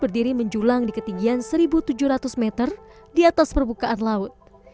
berdiri menjulang di ketinggian satu tujuh ratus meter di atas permukaan laut